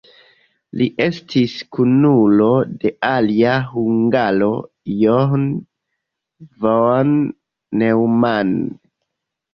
Li estis kunulo de alia hungaro John von Neumann.